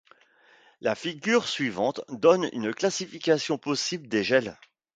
La figure suivante donne une classification possible des gels.